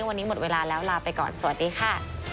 วันนี้หมดเวลาแล้วลาไปก่อนสวัสดีค่ะ